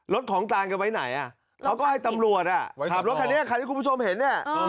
รถของตายอย่างไรน่ะก็ให้ตำรวจขับรถคุณผู้ชมเห็นไหม